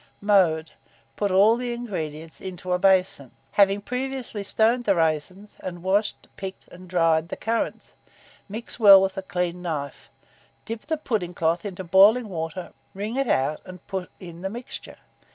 Mode. Put all the ingredients into a basin, having previously stoned the raisins, and washed, picked, and dried the currants; mix well with a clean knife; dip the pudding cloth into boiling water, wring it out, and put in the mixture.